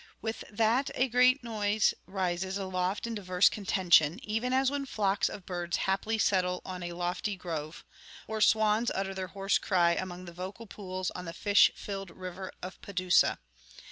With that a great noise rises aloft in diverse contention, even as when flocks of birds haply settle on a lofty grove, or swans utter their hoarse cry among the vocal pools on the fish filled river of Padusa.